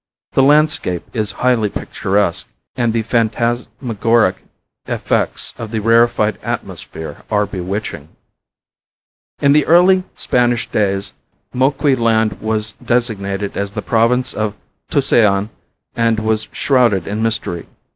The landscape is highly picturesque and the phantasmagoric effects of the rarified atmosphere are bewitching. In the early Spanish days Moqui land was designated as the Province of Tusayan and was shrouded in mystery.